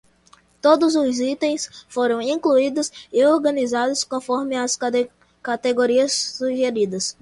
Todos os itens foram incluídos e organizados conforme as categorias sugeridas.